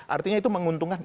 artinya itu menguntungkan